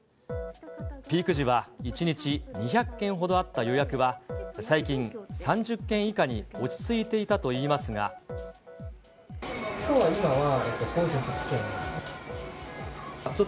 ピーク時は、１日２００件ほどあった予約は、最近３０件以下に落ち着いていたきょうは今は、５８件。